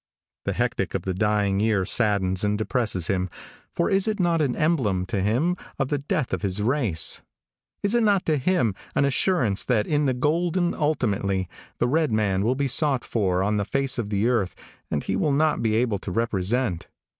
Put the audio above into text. The hectic of the dying year saddens and depresses him, for is it not an emblem to him of the death of his race? Is it not to him an assurance that in the golden ultimately, the red man will be sought for on the face of the earth and he will not be able to represent.